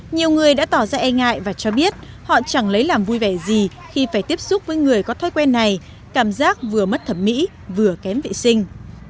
nhiều người đã tỏ ra e ngại và cho biết họ chẳng lấy làm vui vẻ gì khi phải tiếp xúc với người có thói quen này cảm giác vừa mất thẩm mỹ vừa kém vệ sinh